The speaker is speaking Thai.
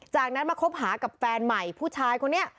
จากนั้นมาคบหากับแฟนใหม่ผู้ชายคนนี้